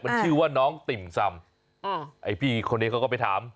มันชื่อว่าน้องติ่มซำไอ้พี่คนนี้เขาก็ไปถาม